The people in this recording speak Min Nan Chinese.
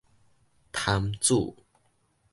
潭子